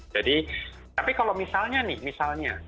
jadi tapi kalau misalnya nih misalnya